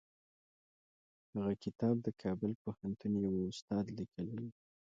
هغه کتاب د کابل پوهنتون یوه استاد لیکلی و.